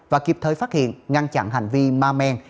và kịp thời phát hiện ngăn chặn hành vi ma men